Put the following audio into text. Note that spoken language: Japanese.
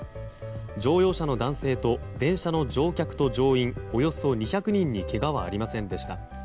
乗用車の男性と電車の乗客と乗員およそ２００人にけがはありませんでした。